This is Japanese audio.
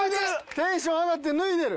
テンション上がって脱いでる！